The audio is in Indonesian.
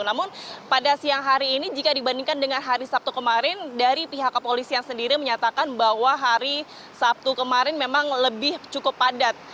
namun pada siang hari ini jika dibandingkan dengan hari sabtu kemarin dari pihak kepolisian sendiri menyatakan bahwa hari sabtu kemarin memang lebih cukup padat